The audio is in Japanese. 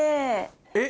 えっ。